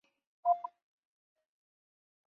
李白曾去拜访之而不遇。